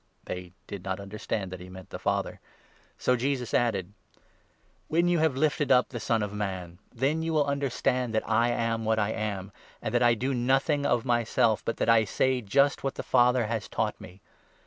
They did not understand that he meant the Father. So Jesus 27, added : "When you have lifted up the Son of Man, then you will understand that I am what I am, and that I do nothing of myself, but that I say just what the Father has taught me.